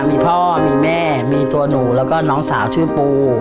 มีพ่อมีแม่มีตัวหนูแล้วก็น้องสาวชื่อปู